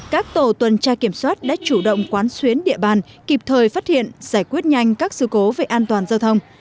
các tổ tuần tra kiểm soát đã chủ động quán xuyến địa bàn kịp thời phát hiện giải quyết nhanh các sự cố về an toàn giao thông